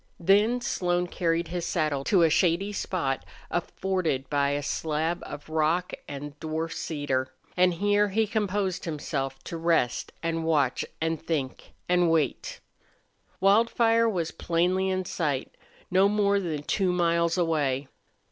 Then Slone carried his saddle to a shady spot afforded by a slab of rock and a dwarf cedar, and here he composed himself to rest and watch and think and wait. Wildfire was plainly in sight no more than two miles away.